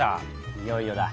いよいよだ。